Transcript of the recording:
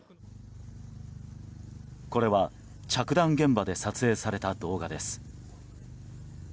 これは、着弾現場で撮影された動画です。